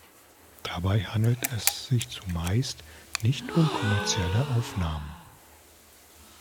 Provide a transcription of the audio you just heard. Dabei handelt es sich zumeist nicht um kommerzielle Aufnahmen.